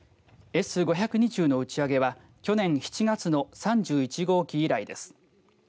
Ｓ‐５２０の打ち上げは去年７月の３１号機以来です。